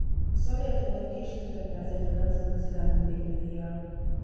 A Szovjetunió ki is tüntette ezért a Nemzetközi Lenin-békedíjjal.